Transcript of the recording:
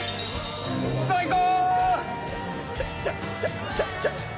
最高！